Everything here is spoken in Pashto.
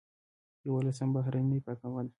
یولسم: بهرنۍ پانګونه.